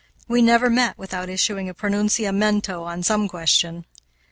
We never met without issuing a pronunciamento on some question.